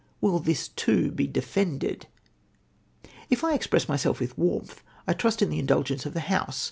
Will this too be defended ? If I express myself with warmth I trust in the indulgence of the House.